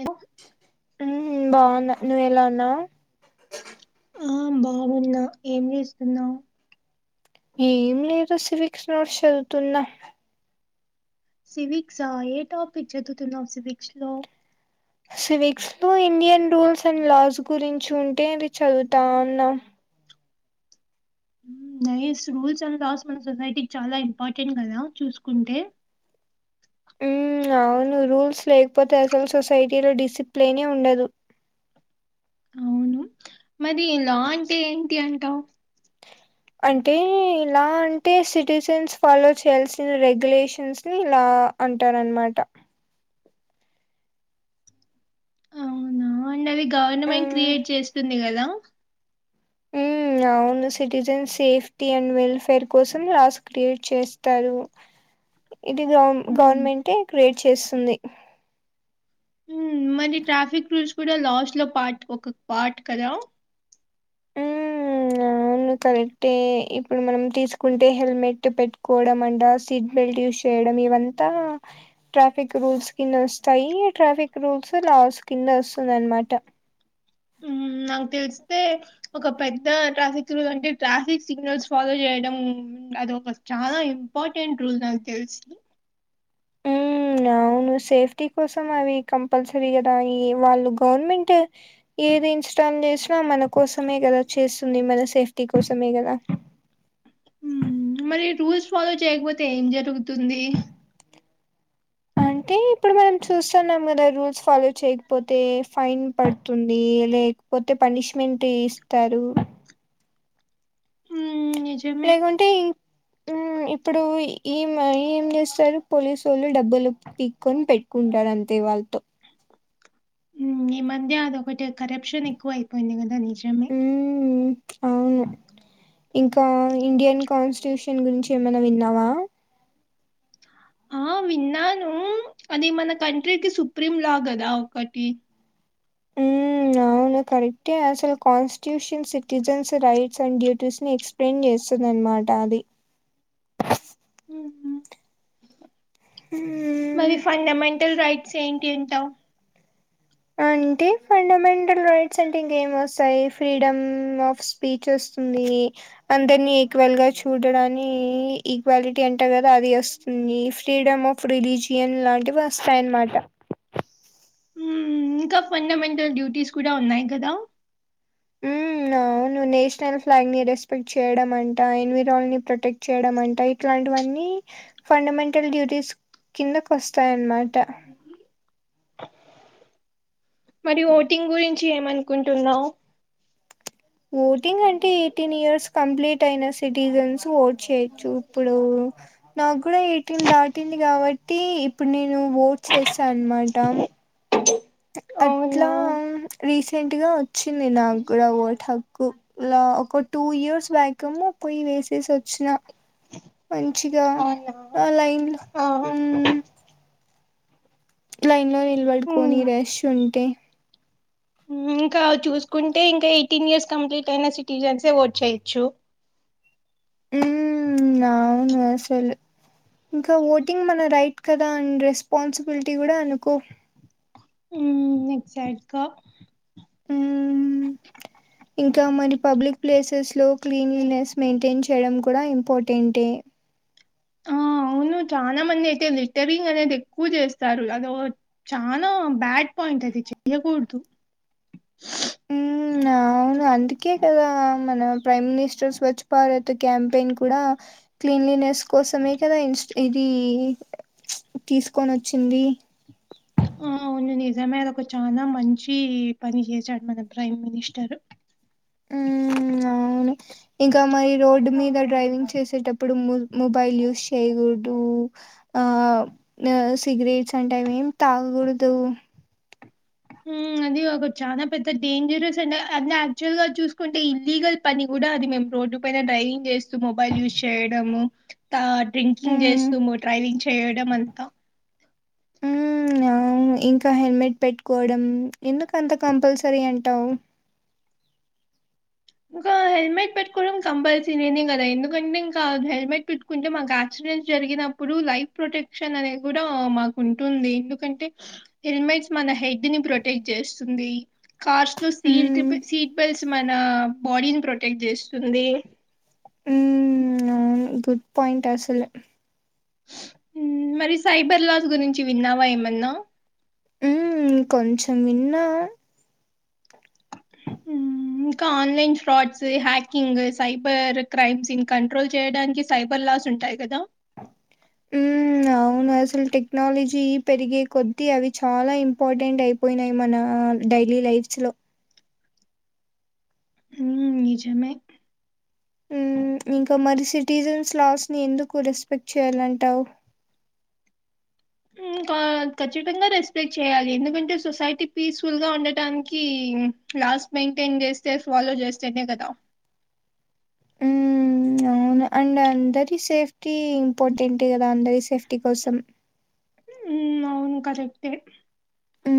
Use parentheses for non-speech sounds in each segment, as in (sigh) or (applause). ఎను మ్ బావున్నా నువ్ ఎలా ఉన్నావు? ఆ బావున్నా, ఏం చేస్తున్నావు? ఏం లేదు సివిక్స్ నోట్స్ చదువుతున్నా సివిక్సా ఏ టాపిక్ చదువుతున్నావు సివిక్స్ లో? సివిక్స్ లో ఇండియన్ రూల్స్ అండ్ లాస్ గురించి ఉంటే అది చదువుతా ఉన్నా. నైస్ రూల్స్ అండ్ లాస్ మన సొసైటీకి చాలా ఇంపార్టెంట్ కదా చూసుకుంటే నవును రూల్స్ లేకపోతే అసలు సొసైటీ లో డిసిప్లినే ఉండదు. అవును మరి లా అంటే ఏంటి అంటావు? తెలీదు అంటే లా అంటే సిటిజన్స్ ఫాలో చేయాల్సిన రెగ్యులేషన్స్ని లా అంటారన్నమాట అవునా అండ్ అది గవర్నమెంట్ ఉమ్ క్రియేట్ చేస్తుంది కదా మ్ నవును సిటిజన్స్ సేఫ్టీ అండ్ వెల్ఫేర్ కోసం లాస్ క్రియేట్ చేస్తారు. ఇటిజం మ్మ్. గవర్నమెంటే క్రియేట్ చేస్తుంది. మ్ మరి ట్రాఫిక్ రూల్స్ కూడా లాస్ట్ లో పాట్ ఒక పార్ట్ కదా మ్న అవును కరెక్టే ఇప్పుడు మనం తీసుకుంటే హెల్మెట్ పెట్టుకోవడం అంట సీట్ బెల్ట్ యుస్ చేయడం ఇవంతా ట్రాఫిక్ రూల్స్ కింద వస్తాయి. ట్రాఫిక్ రూల్స్ లాస్ కింద వస్తదన్నమాట మ్ నాకు తెలిస్తే ఒక పెద్ద ట్రాఫిక్ రూల్ అంటే ట్రాఫిక్ సిగ్నల్స్ ఫాలో చేయ డం అది ఒక చాలా ఇంపార్టెంట్ రూల్ నాకు తెలుసు. మ్ ఉనవును సేఫ్టీ కోసం అవి కంపల్సరీ కదా ఈ వాళ్ళు గవర్నమెంట్ ఇ ఏది ఇన్స్టాల్ చేస్ అ మన కోసమే కదా చేస్తుంది మన సేఫ్టీ కోసమే కదా మ్ మరి రూల్స్ ఫాలో చేయకపోతే ఏం జరుగుతుంది? అ అయితే ఇప్పుడు మనం చూస్తున్నాం కదా రూల్స్ ఫాలో చేయకపోతే ఫైన్ పడుతుంది లే పోతే పనిష్మెంట్ ఏస్తారు హ్మ్. నిజమే. లేకుంటే ఇప్పుడు ఏం ఏం చేస్తారు పోలీసోళ్ళు డబ్బులు పీక్కోని పెట్టుకుంటారు అంతే వాల్తో ఈ మధ్య అదొకటి కరప్షన్ ఎక్కువ అయిపోయింది కదా నిజమే మ్ అవును ఇంకా ఇండియన్ కాన్స్టిట్యూషన్ గురించి ఏమైనా విన్నావా ఆ! అవు విన్నాను అది మన కంట్రీకి సుప్రీంలా కదా ఒకటి ఉ ఆవును కరెక్టే అసలు constitution citizens rights and duties ని ఎక్స్ప్లెయిన్ చేస్తారు అనమాట అది ఉ మ్ మరి ఫండమెంటల్ రైట్స్ ఏంటి అంటావు అ అంటే ఫండమెంటల్ రైట్స్ అంటే ఇంకేం వస్తాయి ఫ్రీడమ్ ఆఫ్ స్పీచ్ వస్తుంది అందరిని ఈక్వల్ గా చూడడని ఈక్వాలిటీ అంట కదా అది వస్తుంది ఫ్రీడమ్ ఆఫ్ రిలీజియన్ లాంటివి వస్తాయన్నమాట హ్మ్. ఇంకా ఫండమెంటల్ డ్యూటీస్ కూడా ఉన్నాయి కదా నో నువ్వు నేషనల్ ఫ్లాగ్ ని రెస్పెక్ట్ చేయడం అంట ఎన్విరాల్ ప్రొ ప్రొటెక్ట్ చేయడం అంట ఇట్లాంటివన్నీ ఫండమెంటల్ డ్యూటీస్ కిందకి వస్తాయన్నమాట మరి ఓటింగ్ గురించి ఏమనుకుంటున్నావ్ ఓటింగ్ అంటే ఎయిటీన్ ఇయర్స్ కంప్లీట్ అయిన సిటిజన్స్ ఓట్ చేయొచ్చు ఇప్పుడు నాకు కూడా ఎయిటీన్ దాటింది కాబట్టి టి ఇప్పుడు నేను ఓట్ చేసా అనమాట అవునా! అట్లా రీసెంట్ గా వచ్చింది నా కూడా ఓటు హక్కు ఇలా ఒక టూ ఇయర్స్ బ్యాక్ పోయి వేసి తీసు వచ్చిన మంచిగా అవునా! ఆ లైన్ ఆ! ఉ లైన్ లో నిలబడుకొని హ్మ్. రష్ ఉంటే అ ఇంకా చూసుకుంటే ఇంకా ఎయిటీన్ ఇయర్స్ కంప్లీట్ అయిన సిటిజన్సే ఓట్ చేయొచ్చు ఉ నావును అసలు ఇంకా ఓటింగ్ మన రైట్ కదా అండ్ రెస్పాన్సిబిలిటీ కూడా అనుకో ఉమ్ నిచయిక్క ఉమ్ ఇంకా మరి పబ్లిక్ ప్లేసెస్ లో క్లీన్లీనెస్ మెయింటైన్ చేయడం కూడా ఇంపార్టెంటే ఆ చాలా మంది అయితే లిటరింగ్ అనేది ఎక్కువ చేస్తారు అద చానా బ్యాడ్ పాయింట్ అయితే అది చెయకూడదు (inaudible) అవును అందుకే కదా మన prime minister Swachh Bharat campaign కూడా క్లీన్లీనెస్ కోసమే కదా ఇ ఇది తీసుకొని వచ్చింది కొ నిజమేద ఒక చాలా మంచి పని చేసాడు మన ప్రైమ్ మినిస్టర్ ఉం అవును ఇంకా మరి రోడ్ మీద డ్రైవింగ్ చేసేటప్పుడు మొబైల్ యూస్్ చేయకూడదు ఆ సిగరెట్స్ అంటే అవి ఏమి తాగకూడదు ఉం అది ఒక చాలా పెద్ద డేంజరస్ అంే అంటే యాక్చువల్ గా చూసుకుంటే ఇల్లీగల్ పని కూ అది మే రోడ్ ప డైవింగ్ చేస్తూ మొబైల్ ూ చేయ డ్రింకింగ్ మ్మ్ చేస్తూ డ్రైవింగ్ చేయడం అంతా ఉంఇంకా హెల్మెట్ పెట్టుకోవడం ఎందుకు అంత కంపల్సరీ అంటావు ఇంకా హెల్మెట్ పెట్టుకోవడం కంపల్సరీనే కదా ఎందుకంటే ఇంకా హెల్మెట్ పెట్టుకుంటే మాకు ఆచ డె జరిగినప్పుడు లైఫ్ ప్రొటెక్షన్ అనేది కూడా మాకు ఉంటుంది ఎందుకంటే హే మ్ మన హెడ్ ని ప్రొటెక్ట్ చేస్తుంది కార్స్ లో సల్ హ్మ్ సీట్ బెల్ట్స్ మన బాడీని ప్రొటెక్ట్ చేస్తుంది హ్మ్ అవును గుడ్ పాయింట్ అసలు మరి సైబర్ లాస్ గురించి విన్నావా ఏమన్నా కొంచం నిన్న హ్మ్. ఇంకా online frauds hacking cyber crimes control చేయడానికి సైబర్ క్లాస్ ఉంటాయి కదా ఉ అవును అసలు టెక్నాలజీ పెరిగే కొద్దీ అవి చాలా ఇంపార్టెంట్ అయిపోయినాయి మన మనడైలీ ైఫ్ లో ఉనిజమే ఉంఇంకా మరి కిసిటిజన్స్ లాస్ ని ఎందుకు రెస్పెక్ట్ చేయాలంటావు (inaudible) ఖచ్చితంగా రెస్పెక్ట్ చేయాలి ఎందుకంటే సొసైటీ పీస్ఫుల్ గా ఉండటానికి ఉ కలాస్ట్ మెయింటైన్ చేస్తే ఫాలో చేస్తేనే కదా ఉమ్ అవును అండ్ అందరి సేఫ్టీ ఇంపార్టెంట్ కదా అందరి సేఫ్టీ కోసం ఉ అవును కరెక్తే ఉ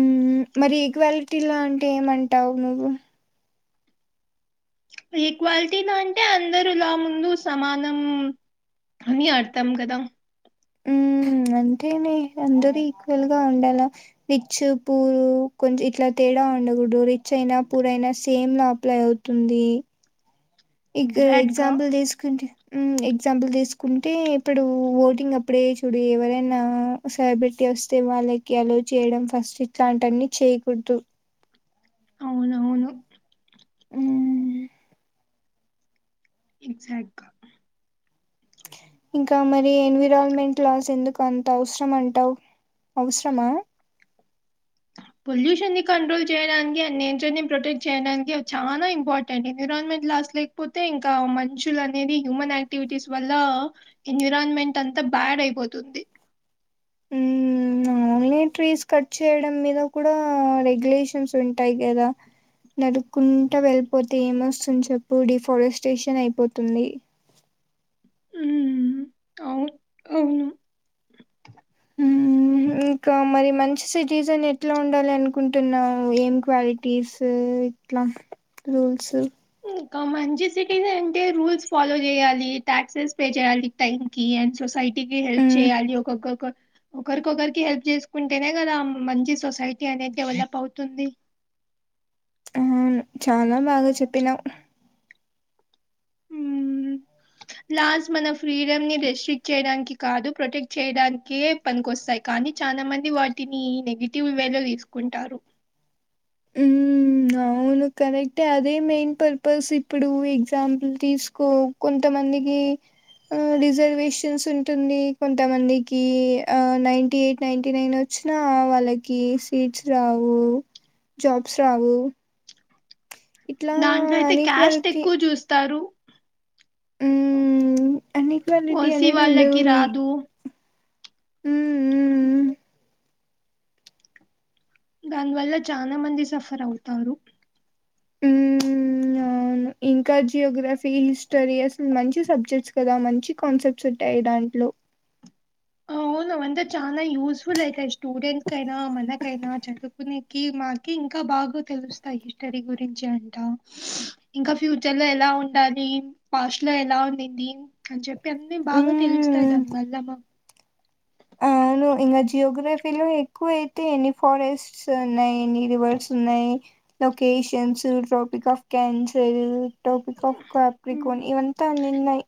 మరి ఈక్వాలిటీ లో అంటే ఏమంటావు నువ్వు ఈక్వాలిటీలో అంటే అందరుూలా ముందు సమానం అని అంటంకదా ఉ అంటేనే అందరుూ ఈక్వల్ గా ఉండాల విిచ్ పూరు కొంచం ఇట్లా తే ఉండకూడు రిచ్ అయినా పూర్ అయినా సేమ్ లా అప్లై అవుతుంది ఇక్క ఎగ్జాక్ట్‌గా. ఎగ్జాంపుల్ తీసుకుంటే ఎగ్జాంపుల్ తీసుకుంటే ఇప్పుడు ఓటింగ్ అప్పుడే చూడు ఎవరైనా సరి పెట్టి వస్తే వాళ్ళకి అలో చేయడం ఫస్ట్ ఇట్లాంటిన్న చేయకూడదు అవును అవును ఉ ఎక్జాక్ట్గా ఇంకా మరి ఎన్విరాల్మెంట్ లాస్ ఎందుకు అంత అవసరం అంటావు అవసరమా (inaudible) పొల్యూషన్ ని కంట్రోల్ చేయడానికి అండ్ నేచర్ ని ప్రొటెక్ట్ చేయడానికి అవి చానా ఇంపార్టెంట్ ఎన్విరాన్మెంట్ లా లేకపోతే ఇంకా మనుషులు అనేది హ్యూమన్ యాక్టివిటీస్ వల్ల ఎన్విరాన్మెంట్ అంత బా బ్యాడ్ అయిపోతుంది నీమ్ ట్రీస్ కట్ చేయడం మీద కూడా రెగ్యులేషన్స్ ఉంటాయి గదా నరుక్కుంటా వెళ్ళిపోతే ఏమొస్తుంది చెప్పు, డిఫారెస్టేషన్ అయిపోతుంది. ఊమ్ ఆవు అవును ఆ ఇంకా మరి మంచి సిటీజన్ ఎట్లా ఉండాలి అనుకుంటున్నావు ఏం క్వాలిటీస్ ఇట్లా రూల్స్ ఇంకా మంచి సిటీజన్ అంటే రూల్స్ ఫాలో చేయాలి టాక్సెస్ పే చేయాలి టైం కి అండ్ సో సైటీ కి హెల్ప్ మ్మ్ చేయాలి ఒక్కొక్క ఒకరికొకరికి హెల్ప్ చేసుకుంటేనే గదా మంచి సొసై టి అనేది డెవలప్ అవుతుంది. ఆ చాలా బాగా చెప్పినావు. అవు లా స్ మన ఫ్రీడమ్ ని రెస్ట్రిక్ట్ చేయడానికి కాదు ప్రొటెక్ట్ చేయడానికే పనికొస్తాయి కానీ చా చాలా మంది వాటిని నెగిటివ్ వే లో తీసుకుంటారు. ఊమ్మ్ అ అవును కరెక్టే అదే మెయిన్ పర్పస్ ఇప్పుడు ఎగ్జాంపుల్ తీసుకో కొంతమంది దీ ఆ రిజర్వేషన్స్ ఉంటుంది కొంతమందికి ఆ నైన్టీ ఎయిట్ నైన్టీ నైన్ వచ్ చ్చినా వాళ్ళకి సీట్స్ రావు జాబ్స్ రావు ఇట్లా దాంట్లో అయితే క్యాస్ట్ అన్ఈక్వాలిటీ ఎక్కువ చూస్తారు. ఉమ్ అనిక్వాలిటీ ఓసీ అనేది ఉండదు వాళ్ళకి వీ రాదు ఉమ్ ఉమ్ ఊ దాని వల్ల చానా మంది సఫర్ అవుతారు. ఊమ్ అవును ఇంకా జియోగ్రఫీ హిస్టరీ అసలు మంచి సబ్జెక్ట్స్ కదా, మంచి కాన్సెప్ట్స్ ఉంటాయి దాంట్లో. (inaudible) అవును అవంతా చాలా యూస్ఫుల్ అయితాయి స్టూడెంట్స్ కి అయినా మనకైనా చదువుకునేకి మాకి ఇంకా బాగా తెలుస్తాయి హిస్టరీ గురించి అంట, ఇంకా ఫ్యూచర్ లో ఎలా ఉండాలి? పాస్ట్ లో ఎలా ఉండింది అని చెప్పి అన్నీ బాగా తెలుస్తాయి దాని వల్ల మా ఆ అవును ఇంకా జియోగ్రఫీలో ఎక్కువ అయితే ఎన్ని ఫారెస్ట్స్ ఉన్నాయి ఎన్ని రివర్స్ ఉన్నాయి locations tropic of cancer tropic of um. కాప్రికోన్ ఇవంతా ఉన్నిన్నాయి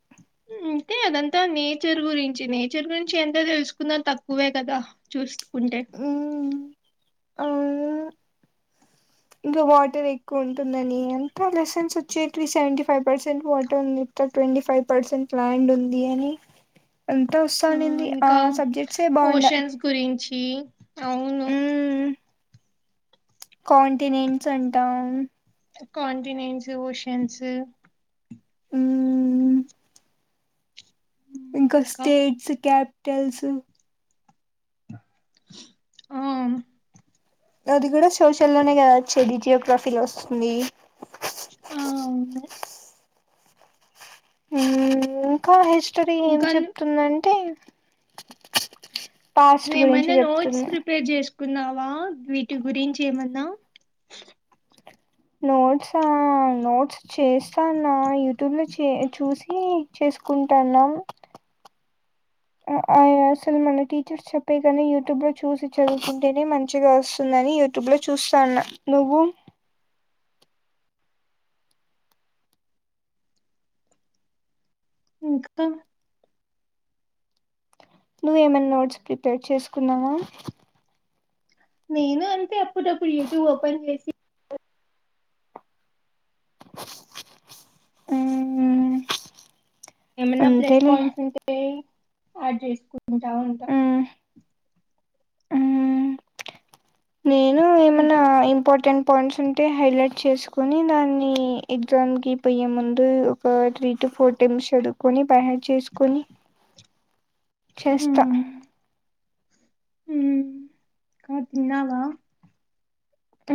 అదే అదంతా నేచర్ గురించి నేచర్ గురించి ఎంత తెలుసుకున్న తక్కువే గదా చూస్ కుంటే మ్మ్ అవును ఇంకా వాటర్ ఎక్కువ ఉంటుంన్ నని చే two seventy five percent water అని చెప్తారు ట్వంటీ ఫైవ్ పర్సెంట్ ల్యాండ్ ఉంది అని ఆ ఆ ఇంకా సబ్జెక్ట్సే బాగుండే ఈ (inaudible) కాంటినెంట్స్ అంటాం కాంటినెంట్స్ ఓషన్స్ మ్ ఇంకా స్టేట్స్ క్యాపిటల్స్ ఆ అది కూడా సోష లోనే కదా వచ్చేది జియోగ్రఫీలో వస్తుంది ఆ అవును మ్ ఇంకా హిస్టరీ ఏం ఇంకా ను- చెప్తుందంటే పాస్ట్ గురించి నువ్ేమన్నా నోట్స్ చెప్తుంది ప్రిపేర్ చేస్ కున్నావా వీటి గురించి ఏమన్నా నోట్స నోట్స చేస్తాన్నా యూట్యూబ్ లో చే చూసి చేస్ సుకుంటన అసలు మన టీచర్స్ చెప్పే కాన యూట్యూబ్ లో చూసి చదువుకుంటేనే మంచిగా వస్తుందని యూట్యూబ్ లో చూస్తాన్న నువ్వు ఇంకా నువ్్వ ఏమైనా నోట్స్ ప్రిపేర్ చేసుకున్నావా నేను అంతే అప్పుడప్పుడు యూట్యూబ్ ఓపెన్ చేసి మ్ ఏమైన్నా ప్లస్ పాయింట్స్ ఉంటే యాడ్ చేసుకుంటా ఉంటా నేను ఇంకా ఏమన్నా ఇంపార్టెంట్ పాయింట్స్ ఉంటే హైలైట్ చేసుకొని దాన్ని ఎగ్జామ్కి పోయ్యే ముందు ఒక త్రీ టూ ఫోర్ టైమ్స్ చదువుకొని బైహడ్ చేసుకొని చేస్త మ్ ఇంకా తిన్నావా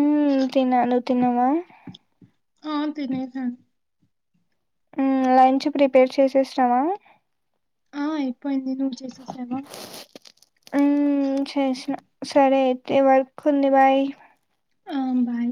మ్ తిన్న నువ్ తిన్నవా ఆ తినే సను మ్ లంచ్ ప్రిపేర్ చేసేసినవా ఆ అయిపోఇంది నువ్ చేసేసావా మ్ చేసిన సరే అయితే వర్క్ ఉంది బాయి్ ఆ బాయ్